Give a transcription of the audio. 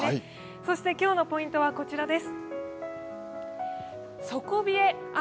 そして今日のポイントはこちらです。